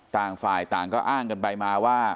ต่างฝ่ายต่างก็อ้างกันไปมาว่า